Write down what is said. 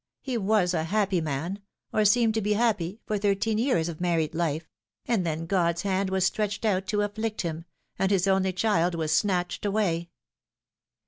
He was a happy man or seemed to be happy for thirteen years of married life ; and then God's hand was stretched out to afflict him, and his only child was snatched away."